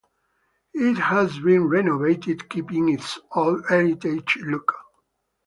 It has been renovated keeping its old heritage look.